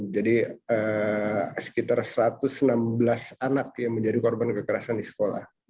jadi sekitar satu ratus enam belas anak yang menjadi korban kekerasan di sekolah